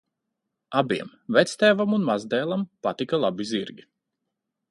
Abiem, vectēvam un mazdēlam, patika labi zirgi.